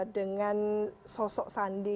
dengan sosok sandi